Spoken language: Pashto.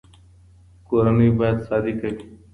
کورنۍ باید صادق وي.